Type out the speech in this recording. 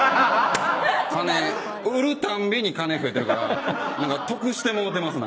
売るたびに金増えてるから何か得してもうてます。